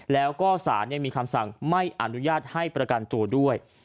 แล้วก็สารยังมีคำสั่งไม่อนุญาตให้ประกันตัวด้วย